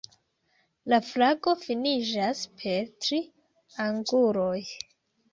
La flago finiĝas per tri anguloj.